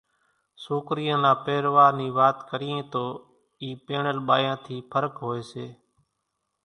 سوڪريان نا پيرواۿ نِي وات ڪريئين تو اِي پيڻل ٻايان ٿِي ڦرق هوئيَ سي۔